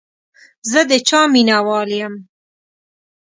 زه د چای مینهوال یم.